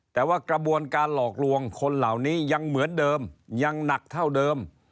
แต่ว่ากระบวนการหลอกลวงคนเหล่านี้ยังเหมือนเดิมยังหนักเท่าเดิม